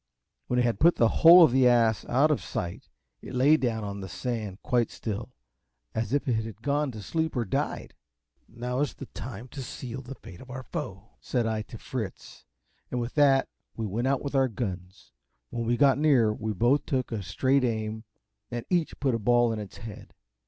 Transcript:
When it had put the whole of the ass out of sight, it lay down on the sand quite still, as if it had gone to sleep or died. "Now is the time to seal the fate of our foe," said I to Fritz; and with that we went out with our guns. When we got near, we both took a straight aim, and each put a ball in its head.